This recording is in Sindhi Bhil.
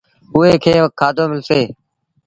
اُئي کي کآڌو ملسي۔